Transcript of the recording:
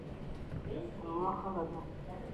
هوا خړه ده